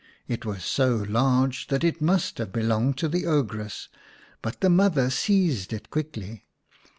It was so large that it must have belonged to the ogress, but the mother seized it quickly.